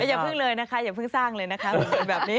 อย่าเพิ่งเลยนะคะอย่าเพิ่งสร้างเลยนะคะ